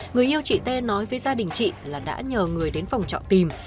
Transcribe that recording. người yêu chị tê nói với gia đình chị là đã nhờ người đến phòng trọ tìm